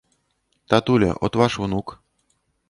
Татуля, от ваш унук.